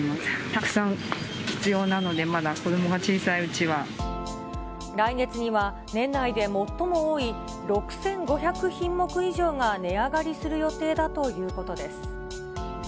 たくさん必要なので、来月には、年内で最も多い６５００品目以上が値上がりする予定だということです。